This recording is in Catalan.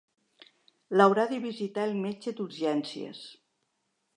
L'haurà de visitar el metge d'urgències.